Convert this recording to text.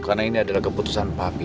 karena ini adalah keputusan papi